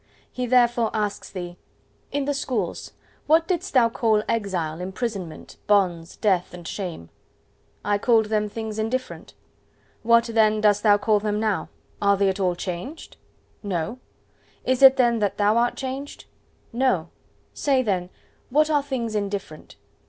He therefore asks thee:— "In the Schools, what didst thou call exile, imprisonment, bonds, death and shame?" "I called them things indifferent." "What then dost thou call them now? Are they at all changed?" "No." "Is it then thou that art changed?" "No." "Say then, what are things indifferent?"